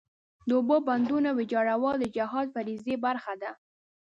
د اوبو بندونو ویجاړول د جهاد فریضې برخه ده.